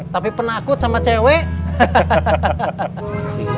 tapi penakut sama cewek